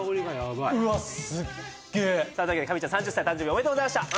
うわすっげえというわけでカミちゃん３０歳の誕生日おめでとうございました！